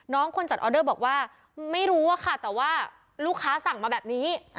คนจัดออเดอร์บอกว่าไม่รู้อะค่ะแต่ว่าลูกค้าสั่งมาแบบนี้